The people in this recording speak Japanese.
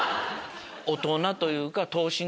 大人というか。